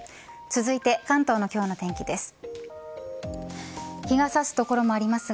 続いて関東の今日の天気です。